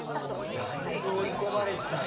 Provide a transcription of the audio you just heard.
だいぶ追い込まれてたね。